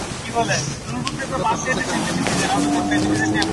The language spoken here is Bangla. বেদান্ত সোসাইটির জন্য মি লেগেট চমৎকার ব্যবস্থা করেছেন জেনে আমি খুবই আনন্দিত।